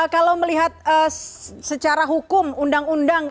kalau melihat secara hukum undang undang